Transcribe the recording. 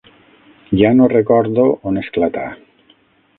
Ja no recordo on esclatà.